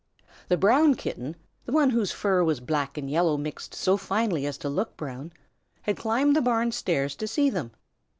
The Brown Kitten, the one whose fur was black and yellow mixed so finely as to look brown, had climbed the barn stairs to see them.